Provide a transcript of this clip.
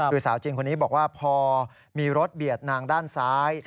คือสาวจีนคนนี้บอกว่าพอมีรถเบียดนางด้านซ้าย